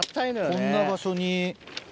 こんな場所に。